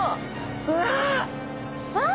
うわ！あっ！